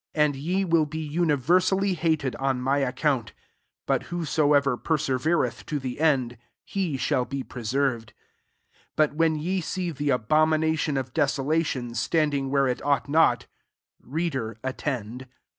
13 And ye will be universally hated on my account ; but who soever persevereth to the end, he shall be preserved. 14 « But when ye see the abomination of desolation,8tand ing where it ought not, (Reader, attend